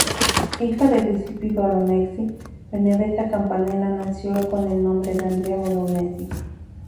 Hijo de Giuseppe Bolognesi y Benedetta Campanella, nació con el nombre de "Andrea Bolognesi".